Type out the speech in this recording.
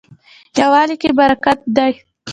یووالي کې برکت دی